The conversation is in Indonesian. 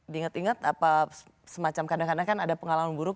diingat ingat semacam kadang kadang kan ada pengalaman buruk